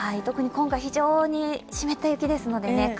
特に今回、非常に湿った雪ですのでね